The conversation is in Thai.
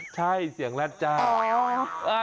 ใช่เสียงแรดจ้า